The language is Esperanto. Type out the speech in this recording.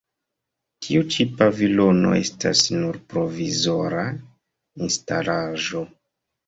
Tiu ĉi pavilono estas nur provizora instalaĵo.